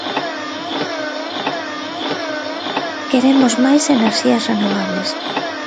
Queremos máis enerxías renovables.